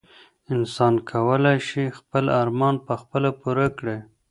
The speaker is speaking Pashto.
انسان کولای شي خپل ارمان په خپله پوره کړي.